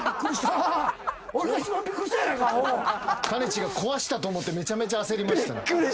ちが壊したと思ってめちゃめちゃ焦りました。